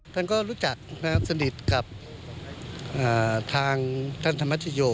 ท่านก็รู้จักนะครับสนิทกับทางทหลังธรรมชโย